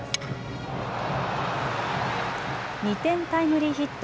２点タイムリーヒット。